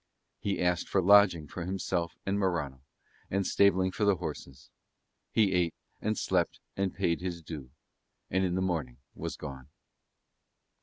He asked for lodging for himself and Morano and stabling for the horses: he ate and slept and paid his due, and in the morning was gone.